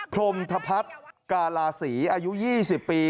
พรมธพัฒน์กาลาศีอายุ๒๐ปี